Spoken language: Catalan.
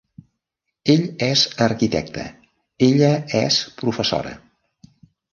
Ell és arquitecte, ella és professora.